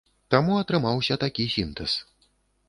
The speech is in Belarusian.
Таму атрымаўся такі сінтэз.